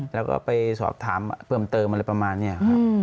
แล้วก็ไปสอบถามเพิ่มเติมอะไรประมาณนี้ครับ